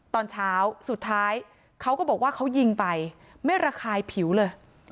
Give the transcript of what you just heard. ตอนเช้าสุดท้ายเขาก็บอกว่าเขายิงไปไม่ระคายผิวเลย